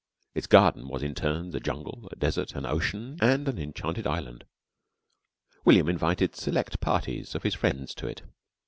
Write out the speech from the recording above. Its garden was in turns a jungle, a desert, an ocean, and an enchanted island. William invited select parties of his friends to it.